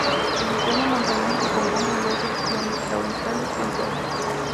El sistema montañoso se compone de dos secciones la oriental y occidental.